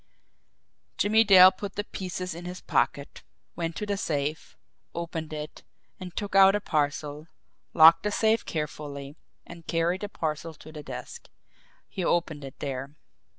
Jimmie Dale put the pieces in his pocket, went to the safe, opened it, and took out a parcel, locked the safe carefully, and carried the parcel to the desk. He opened it there.